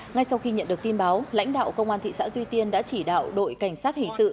ngay sau khi nhận được tin báo lãnh đạo công an thị xã duy tiên đã chỉ đạo đội cảnh sát hình sự